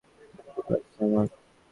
অদ্ভুত লাগছে আমার।